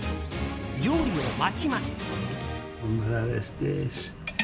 料理を待ちます。